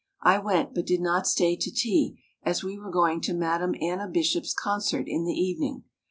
I went but did not stay to tea as we were going to Madame Anna Bishop's concert in the evening.